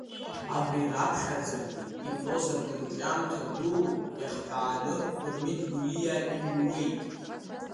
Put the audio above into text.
Абри раԥхьаӡатәи ипрозатә рҿиамҭа ду иахҳәааны Дырмит Гәлиа иҩуеит…